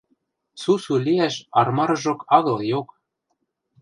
– Сусу лиӓш армарыжок агыл йок...